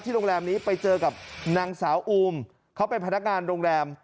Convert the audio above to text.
โรงแรมนี้ไปเจอกับนางสาวอูมเขาเป็นพนักงานโรงแรม